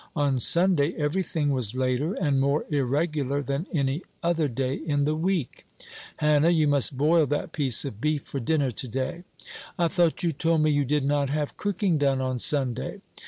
On Sunday every thing was later and more irregular than any other day in the week. "Hannah, you must boil that piece of beef for dinner to day." "I thought you told me you did not have cooking done on Sunday."